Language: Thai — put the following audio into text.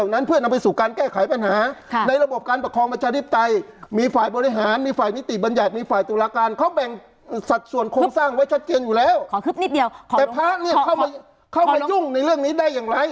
แต่พระเข้าไปยุ่งในเรื่องในได้อย่างไร